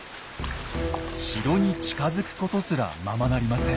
城に近づくことすらままなりません。